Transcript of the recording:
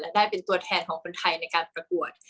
และได้เป็นตัวแทนของคนไทยในการประกวด